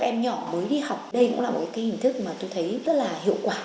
em nhỏ mới đi học đây cũng là một cái hình thức mà tôi thấy rất là hiệu quả